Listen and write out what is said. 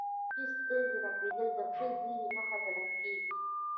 د ښي سترګې رپیدل د ښه زیری نښه ګڼل کیږي.